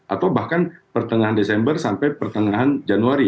atau bahkan pertengahan desember sampai pertengahan januari